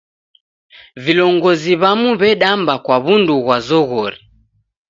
Vilongozi w'amu w'edamba kwa w'undu ghwa zoghori.